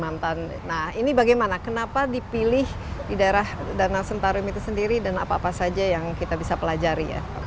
nah ini bagaimana kenapa dipilih di daerah danau sentarum itu sendiri dan apa apa saja yang kita bisa pelajari ya